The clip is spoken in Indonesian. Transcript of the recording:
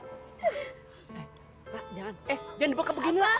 eh pak jangan eh jangan dibuka begini lah